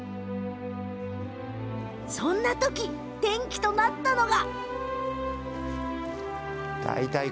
そんな時、転機となったのが。